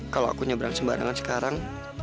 kalau aku nyebrang sembarangan sekarang